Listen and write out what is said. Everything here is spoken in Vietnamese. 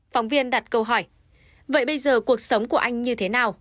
phóng viên đặt câu hỏi vậy bây giờ cuộc sống của anh như thế nào